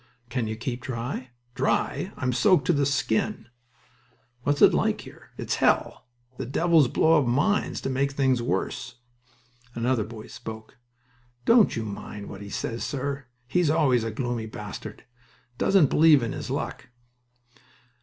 "Can you keep dry?" "Dry?... I'm soaked to the skin." "What's it like here?" "It's hell... The devils blow up mines to make things worse." Another boy spoke. "Don't you mind what he says, sir. He's always a gloomy bastard. Doesn't believe in his luck."